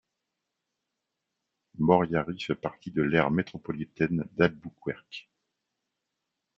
Moriary fait partie de l'aire métropolitaine d'Albuquerque.